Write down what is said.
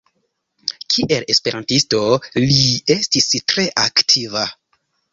Kiel esperantisto li estis tre aktiva.